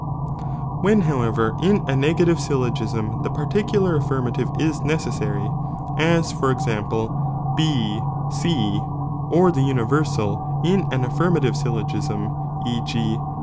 When however in a negative syllogism the particular affirmative is necessary, as for example B C, or ^ the universnl in an aflimiative syllogism, e. g.